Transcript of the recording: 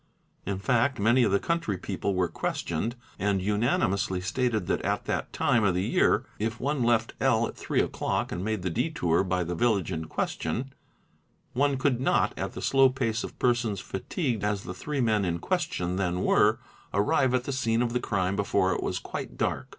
In fact many of the country people were questioned and unanimously stated that at that time ? 28 THE INVESTIGATING OFFICER of the year, if one left L. at three o'clock and made the detour by the village in question, one could not, at the slow pace of persons fatigued as the three men in question then were, arrive at the scene of the crime before it was quite dark.